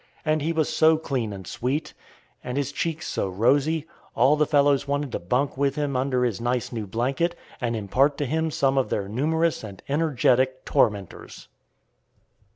And he was so clean and sweet, and his cheeks so rosy, all the fellows wanted to bunk with him under his nice new blanket, and impart to him some of their numerous and energetic "tormentors."